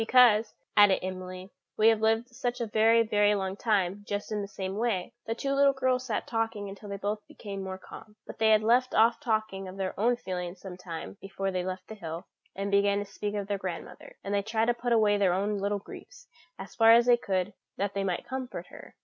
"Because," added Emily, "we have lived such a very, very long time just in the same way." The two little girls sat talking until they both became more calm; but they had left off talking of their own feelings some time before they left the hill, and began to speak of their grandmother; and they tried to put away their own little griefs, as far as they could, that they might comfort her.